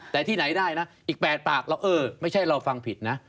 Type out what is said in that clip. แต่ที่ไหนได้นะอีก๘ปากเราเออไม่ใช่เราฟังผิดนะ